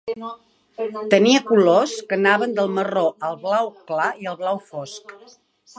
Tenia colors que anaven del marró al blau clar i al blau fosc.